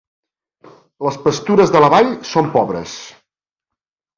Les pastures de la vall són pobres.